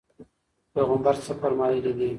پیغمبر څه فرمایلي؟